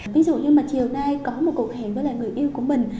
ví dụ như mà chiều nay có một cuộc hẹn với lại người yêu của mình